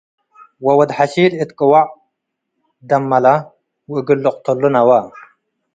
ወወድ-ሐሺል እት ቅወዕ ትደመ'ለ ወእግል ልቅተሎ' ነወ።